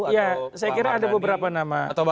ya saya kira ada beberapa nama